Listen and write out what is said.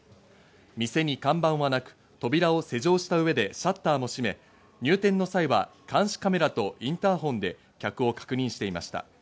店に看板はなく、扉を施錠した上でシャッターも締め、入店の際は監視カメラとインターホンで客を確認していました。